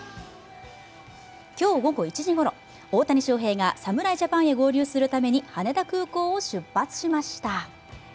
今日午後１時ごろ、大谷翔平が侍ジャパンへ合流するために羽田空港を出発しました。